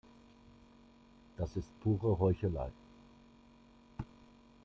Das ist pure Heuchelei.